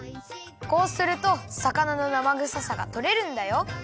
こうするとさかなのなまぐささがとれるんだよ。